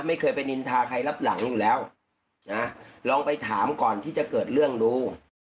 ไม่เคยไปนินทาใครรับหลังอยู่แล้วนะลองไปถามก่อนที่จะเกิดเรื่องดู